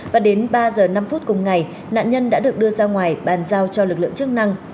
và đến ba giờ năm phút cùng ngày nạn nhân đã được đưa ra ngoài bàn giao cho lực lượng chức năng